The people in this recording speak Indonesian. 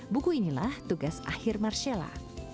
buku inilah tugas akhir marcella